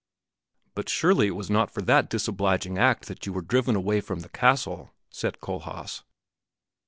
"But surely it was not for that disobliging act that you were driven away from the castle," said Kohlhaas.